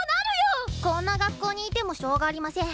こんな学校にいてもしょうがありません。